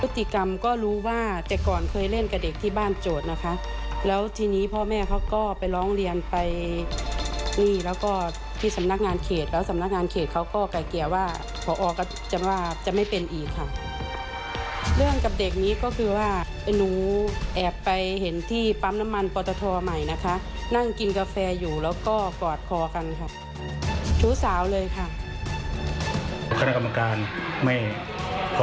มคภาษาภาษาภาษาภาษาภาษาภาษาภาษาภาษาภาษาภาษาภาษาภาษาภาษาภาษาภาษาภาษาภาษาภาษาภาษาภาษาภาษาภาษาภาษาภาษาภาษาภาษาภาษาภาษาภาษาภาษาภาษาภ